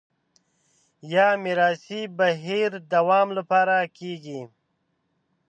یا میراثي بهیر دوام لپاره کېږي